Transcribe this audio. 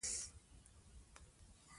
انګریزان خپله خولۍ ایسته کوي.